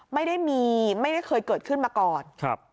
ไม่ได้มีไม่ได้เคยเกิดขึ้นมาก่อน